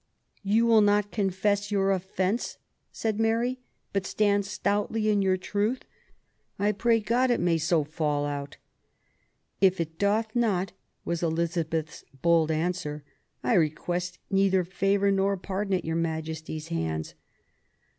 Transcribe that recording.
" You will not confess your offence," said Mary, but stand stoutly in your truth ; I pray God it may so fall out." "If it doth not," was Elizabeth's bold answer, " I request neither favour nor pardon at your Majesty's hands."